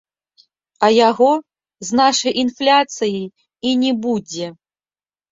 А яго, з нашай інфляцыяй, і не будзе.